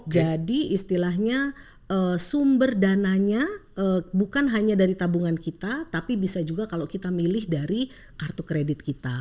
jadi istilahnya sumber dananya bukan hanya dari tabungan kita tapi bisa juga kalau kita milih dari kartu kredit kita